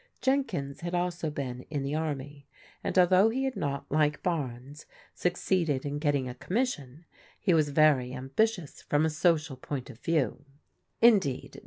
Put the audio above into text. Jenkins had also been in the army, and although he had not, like Barnes, succeeded in getting a commission, he was very ambitious f n»n a social point of \4ew\ Indeed.